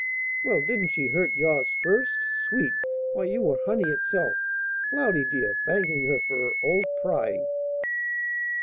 "Well, didn't she hurt yours first? Sweet! Why, you were honey itself, Cloudy, dear, thanking her for her old prying!"